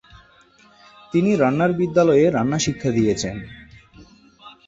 তিনি রান্নার বিদ্যালয়ে রান্না শিক্ষা দিয়েছেন।